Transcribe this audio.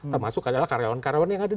termasuk adalah karyawan karyawan yang ada di